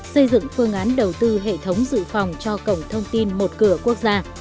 xây dựng phương án đầu tư hệ thống dự phòng cho cổng thông tin một cửa quốc gia